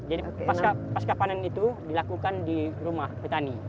jadi pasca panen itu dilakukan di rumah petani